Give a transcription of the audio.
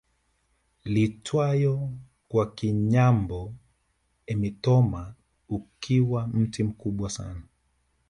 Iitwayo kwa Kinyambo emitoma ukiwa mti mkubwa sana